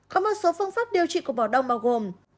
có một số phương pháp điều trị cục máu đông bao gồm